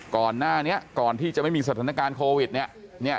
ก่อนหน้านี้ก่อนที่จะไม่มีสถานการณ์โควิดเนี่ย